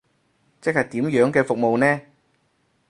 即係點樣嘅服務呢？